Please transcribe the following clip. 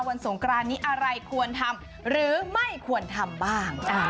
สงกรานนี้อะไรควรทำหรือไม่ควรทำบ้าง